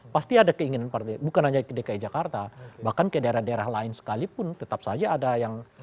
pasti ada keinginan partai bukan hanya ke dki jakarta bahkan ke daerah daerah lain sekalipun tetap saja ada yang